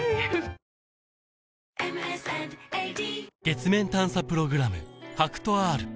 月面探査プログラム